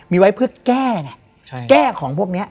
มีไว้เพื่อแก้ไงแก้ของพวกนี้